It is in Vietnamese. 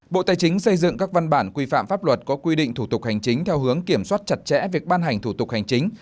bộ tài chính xây dựng các văn bản quy phạm pháp luật có quy định thủ tục hành chính theo hướng kiểm soát chặt chẽ việc ban hành thủ tục hành chính